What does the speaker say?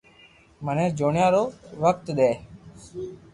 مني جوڻيا رو وقت دي